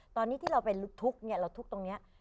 ตอนนี้ที่เราเป็นทุกข์เนี่ยเราทุกข์ตรงนี้